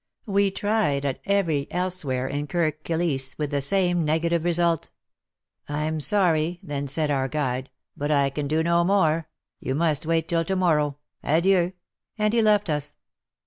We tried at every "elsewhere" in Kirk Kilisse, with the same negative result. "I'm sorry," then said our guide, "but I can do no more. You must wait till to morrow. Adieu !" and he left us.